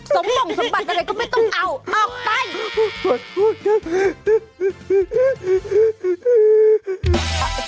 บ่งสมบัติอะไรก็ไม่ต้องเอาออกไป